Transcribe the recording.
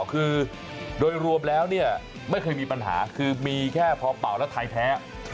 คือโดยรวมแล้วเนี่ยไม่เคยมีปัญหาคือมีแค่พอเป่าแล้วไทยแท้